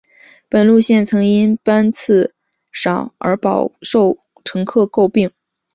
本路线曾因班次少而饱受乘客诟病。